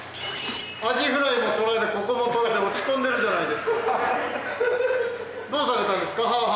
アジフライも取られここも取られ落ち込んでるじゃないですか。